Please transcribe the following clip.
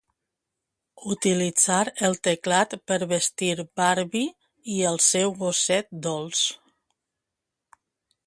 Utilitzar el teclat per vestir Barbie i el seu gosset dolç.